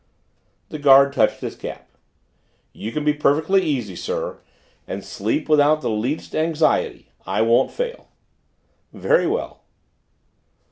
The guard touched his cap. "You can be perfectly easy, sir, and sleep without the least anxiety. I won't fail." "Very well."